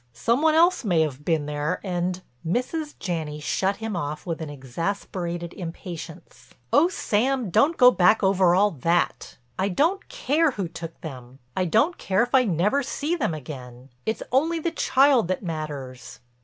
Some one else may have been there and—" Mrs. Janney shut him off with an exasperated impatience: "Oh, Sam, don't go back over all that. I don't care who took them; I don't care if I never see them again. It's only the child that matters."